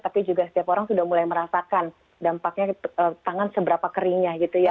tapi juga setiap orang sudah mulai merasakan dampaknya tangan seberapa keringnya gitu ya